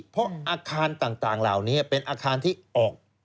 เพราะอาคารต่างเหล่านี้เป็นอาคารที่ออก